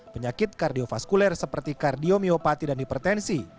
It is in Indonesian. penyakit kardiofaskuler seperti kardiomiopati dan hipertensi